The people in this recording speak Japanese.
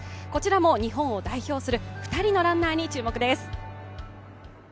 こちらも日本を代表する２人のランナーに注目です。